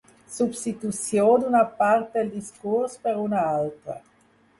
Substitució d'una part del discurs per una altra.